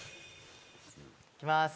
いきます。